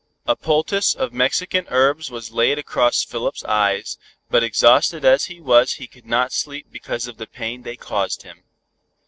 A poultice of Mexican herbs was laid across Philip's eyes, but exhausted as he was he could not sleep because of the pain they caused him.